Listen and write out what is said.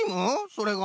それが？